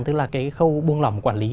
tức là cái khâu buông lỏng quản lý